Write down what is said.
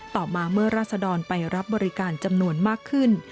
ต่อมาเมื่อราศดรไปรับบริการจำนวนมากขึ้น